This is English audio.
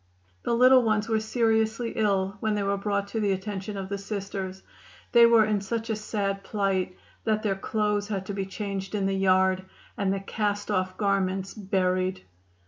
The little ones were seriously ill when they were brought to the attention of the Sisters. They were in such a sad plight that their clothes had to be changed in the yard, and the cast off garments buried.